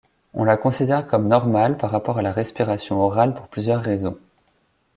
On la considère comme normale par rapport à la respiration orale pour plusieurs raisons.